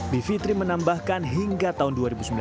bivitri menambahkan hingga tahun dua ribu sembilan belas